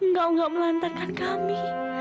engkau gak melantarkan kami